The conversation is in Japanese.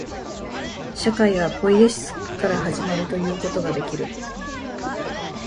社会はポイエシスから始まるということができる。